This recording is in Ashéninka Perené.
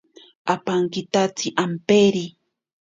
Ipankitatsi ampeere.